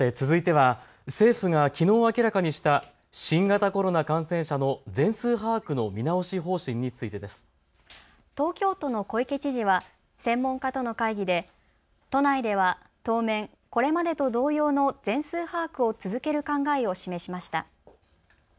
さて続いては政府がきのう明らかにした新型コロナ感染者の全数把握の見直し方針についてです。東京都の小池知事は専門家との会議で都内では当面、これまでと同様の全数把握を続ける考えを示しました。